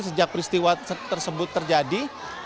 sejak peristiwa tersebut terjadi